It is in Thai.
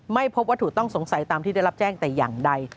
ไม่พบวัตถุต้องสงสัยตามที่ได้รับแจ้งแต่อย่างใด